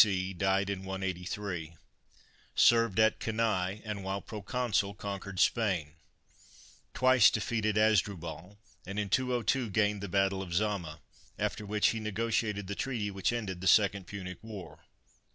C.) Bom about 284 B C, died in 183; senred at Cannsand while Pro oonsal conquered Spain; twice defeated Hasdrubal, and in 202 gained the battle of Zama, after which he negotiated the treaty which ended the Second Punic War.